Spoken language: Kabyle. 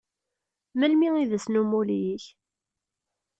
Melmi i d ass n umuli-k?